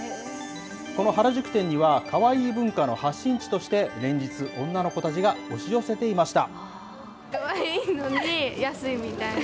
この原宿店には、カワイイ文化の発信地として連日、女の子たちが押し寄せていました。